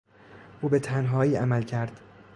او به تنهایی عمل کرد.